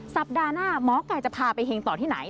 สัปดาห์หน้าหมอไก่จะพาไปเฮงต่อที่ไหน